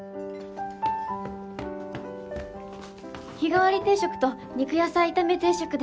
日替わり定食と肉野菜炒め定食です。